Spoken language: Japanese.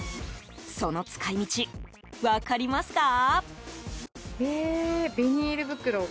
その使い道、分かりますか？